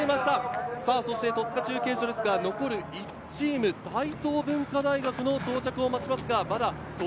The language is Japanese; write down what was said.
戸塚中継所では残り１チーム、大東文化大学の到着を待ちます。